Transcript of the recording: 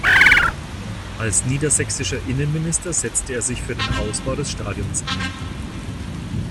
Als Niedersächsischer Innenminister setzte er sich für den Ausbau des Stadions ein.